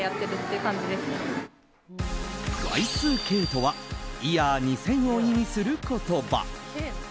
Ｙ２ＫとはＹｅａｒ２０００を意味する言葉。